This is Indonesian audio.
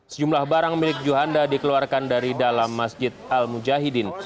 sejumlah barang milik juhanda dikeluarkan dari dalam masjid al mujahidin